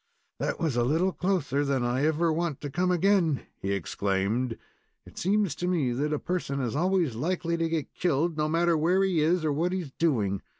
"That was a little closer than I ever want to come again," he exclaimed. "It seems to me that a person is always likely to get killed, no matter where he is or what he is doing.